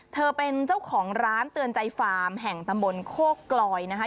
เธอเป็นเจ้าของร้านเตือนใจฟาร์มแห่งตำบลโคกลอยนะคะ